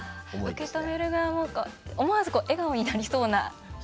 受け止める側も思わず笑顔になりそうな。